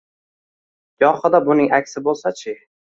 Gohida buning aksi bo`lsa-chi